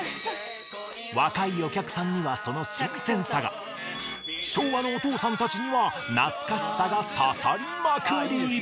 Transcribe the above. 若いお客さんにはその新鮮さが昭和のおとうさんたちには懐かしさが刺さりまくり。